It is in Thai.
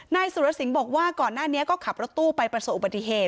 นายสุรสิงห์บอกว่าก่อนหน้านี้ก็ขับรถตู้ไปประสบอุบัติเหตุ